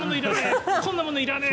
こんなものいらねえ！